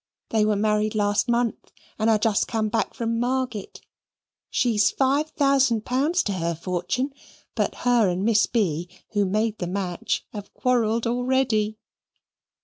They were married last month, and are just come back from Margate. She's five thousand pound to her fortune; but her and Miss B., who made the match, have quarrelled already."